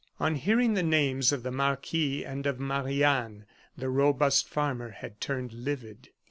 On hearing the names of the marquis and of Marie Anne, the robust farmer had turned livid.